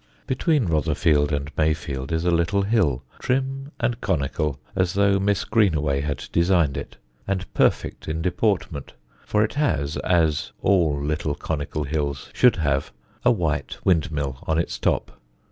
Between Rotherfield and Mayfield is a little hill, trim and conical as though Miss Greenaway had designed it, and perfect in deportment, for it has (as all little conical hills should have) a white windmill on its top.